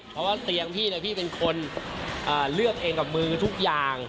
เพราะว่าเตียงพี่พี่เป็นคนเลือกเองกับมือทุกอย่าง